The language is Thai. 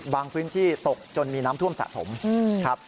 บางพื้นที่ตกจนมีน้ำท่วมสะสมครับ